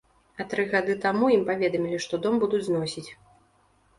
А тры гады таму ім паведамілі, што дом будуць зносіць.